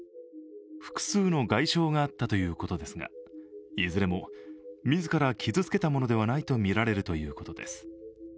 複数の外傷があったということですが、いずれも自ら傷つけたものではないとみられるということです。